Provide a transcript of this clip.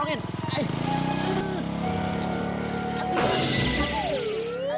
bang bisa cepetan dikit gak